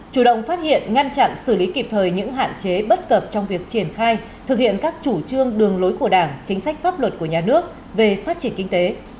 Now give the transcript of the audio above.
chủ động phát hiện ngăn chặn xử lý kịp thời những hạn chế bất cập trong việc triển khai thực hiện các chủ trương đường lối của đảng chính sách pháp luật của nhà nước về phát triển kinh tế